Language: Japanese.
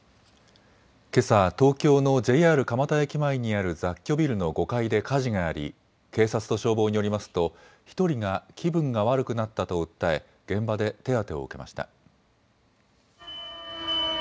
けさ、東京のＪＲ蒲田駅前にある雑居ビルの５階で火事があり警察と消防によりますと１人が気分が悪くなったと訴え現場で手当てを受けました。